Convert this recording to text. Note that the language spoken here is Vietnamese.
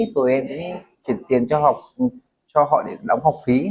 tụi em chuyển tiền cho họ để đóng học phí